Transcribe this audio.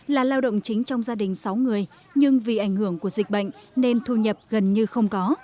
là lao động chính trong gia đình sáu người nhưng vì ảnh hưởng của dịch bệnh nên thu nhập gần như không có